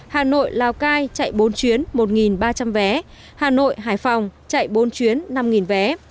hà nội lào cai chạy bốn chuyến một ba trăm linh vé hà nội hải phòng chạy bốn chuyến năm vé